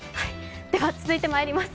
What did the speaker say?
では続いてまいります。